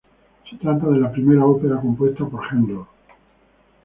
Se trata de la primera ópera compuesta por Händel.